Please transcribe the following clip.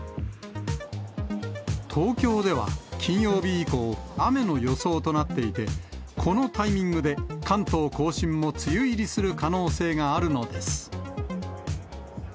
東京では金曜日以降、雨の予想となっていて、このタイミングで関東甲信も梅雨入りする可能性があるのです。